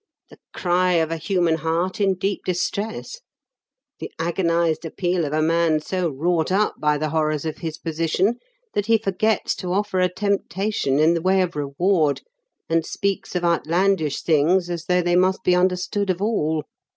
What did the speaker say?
"The cry of a human heart in deep distress; the agonised appeal of a man so wrought up by the horrors of his position that he forgets to offer a temptation in the way of reward, and speaks of outlandish things as though they must be understood of all.